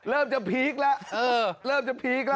เริ่มจะพีคละเริ่มจะพีคละ